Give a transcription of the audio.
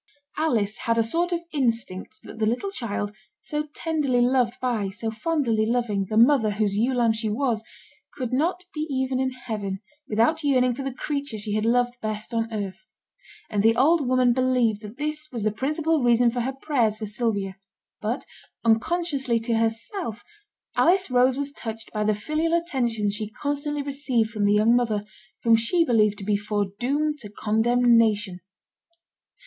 Alice had a sort of instinct that the little child, so tenderly loved by, so fondly loving, the mother whose ewe lamb she was, could not be even in heaven without yearning for the creature she had loved best on earth; and the old woman believed that this was the principal reason for her prayers for Sylvia; but unconsciously to herself, Alice Rose was touched by the filial attentions she constantly received from the young mother, whom she believed to be foredoomed to condemnation.